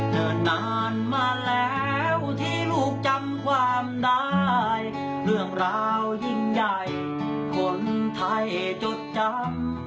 เดินนานมาแล้วที่ลูกจำความได้เรื่องราวยิ่งใหญ่คนไทยจดจำ